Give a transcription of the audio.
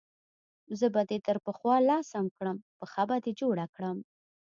زه به دې تر پخوا لا سم کړم، پښه به دې جوړه کړم.